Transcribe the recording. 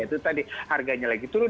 itu tadi harganya lagi turun